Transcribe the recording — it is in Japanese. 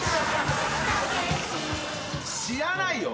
知らないよ！